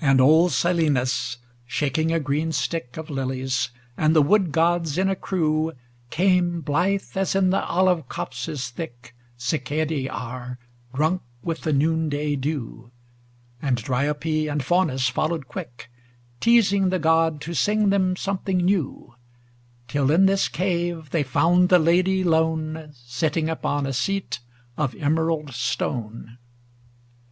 VIII And old Silenus, shaking a green stick Of lilies, and the wood gods in a crew Came, blithe, as in the olive copses thick Cicadse are, drunk with the noonday dew; And Dryope and Faunus followed quick, Teasing the god to sing them something new; Till in this cave they found the Lady lone, Sitting upon a seat of emerald stone.